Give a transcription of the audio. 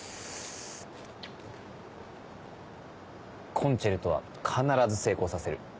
『コンチェルト』は必ず成功させる。